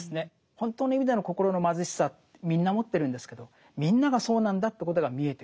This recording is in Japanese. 本当の意味での心の貧しさってみんな持ってるんですけどみんながそうなんだということが見えてくる。